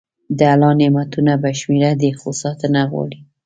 د الله نعمتونه بې شمېره دي، خو ساتنه غواړي.